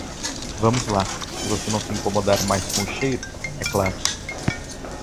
Vamos lá, se você não se incomodar mais com o cheiro, é claro.